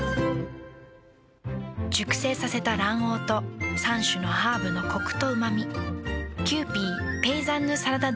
熟成させた卵黄と３種のハーブのコクとうま味。